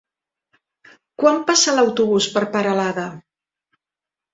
Quan passa l'autobús per Peralada?